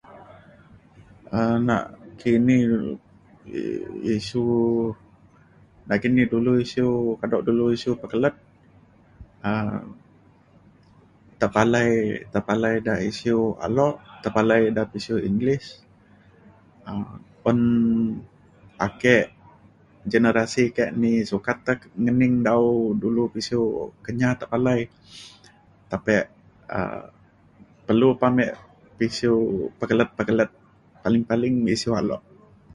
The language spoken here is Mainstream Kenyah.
um nakini i- isu nakini dulu isiu kado dulu isiu pekelet. um tepalai tepalai da isiu alok tepalai da isiu English um un ake generasi ke ni sukat ngening dau dulu pisiu Kenyah tepalai tapek um perlu pa me pisiu pekelet pekelet paling paling isiu alok.